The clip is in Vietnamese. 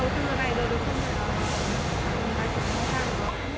không không không ở đây không có không ở đây có chuyển này đâu